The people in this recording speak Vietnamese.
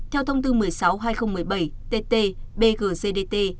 theo thông tin một mươi sáu hai nghìn một mươi bảy tt bgztt